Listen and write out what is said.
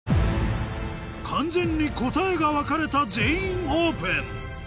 完全に答えが分かれた「全員オープン」